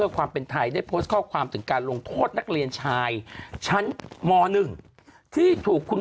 กร้อนผมพี่มันยังมีอีกเหรอ